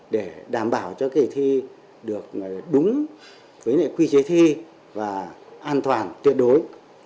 để đảm bảo cho kỳ thi được đúng với n quy chế thi và an toàn tuyệt đối